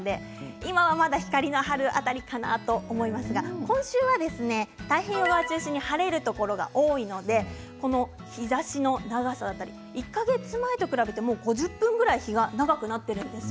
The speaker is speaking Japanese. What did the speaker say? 今はまだ光の春辺りかなと思いますが今週は太平洋側を中心に晴れるところが多いので日ざしの長さが１か月前に比べると５０分くらい長くなっているんです。